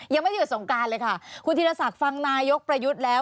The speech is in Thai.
เลยค่ะคุณธีรศักดิ์ฟังนายกประยุทธ์แล้ว